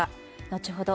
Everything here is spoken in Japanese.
後ほど